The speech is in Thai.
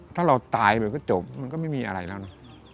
ถ้าเราตายไปก็จบมันก็ไม่มีอะไรแล้วนะ